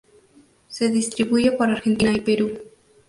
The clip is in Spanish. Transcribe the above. Se distribuye por Argentina y Perú.